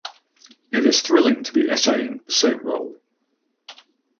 It is thrilling to be essaying the same role"".